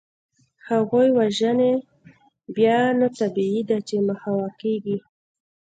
هغوی وژني، بیا نو طبیعي ده چي محوه کیږي.